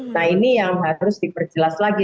nah ini yang harus diperjelas lagi